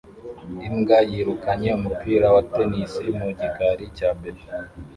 Imbwa yirukanye umupira wa tennis mu gikari cya beto